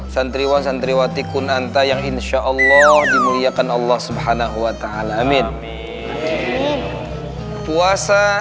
santriwan santriwati kunanta yang insyaallah dimuliakan allah subhanahuwata'ala amin puasa